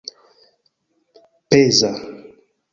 peza